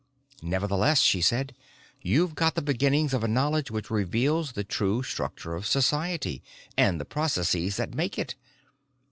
"Nevertheless," she said, "you've got the beginnings of a knowledge which reveals the true structure of society and the processes that make it.